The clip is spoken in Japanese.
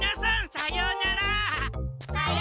さようなら！